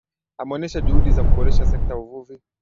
Ameonesha juhudi za kuboresha sekta ya uvuvi